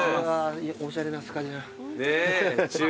おしゃれなスカジャン。